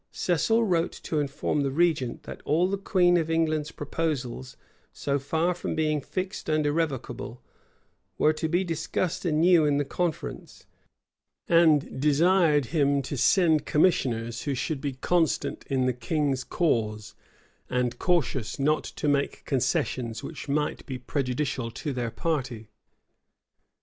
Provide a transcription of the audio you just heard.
Cecil wrote to inform the regent, that all the queen of England's proposals, so far from being fixed and irrevocable, were to be discussed anew in the conference; and desired him to send commissioners who should be constant in the king's cause, and cautious not to make concessions which might be prejudicial to their party.